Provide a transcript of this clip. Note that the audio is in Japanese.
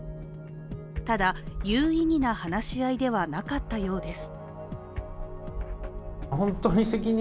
ただ、有意義な話し合いではなかったようです。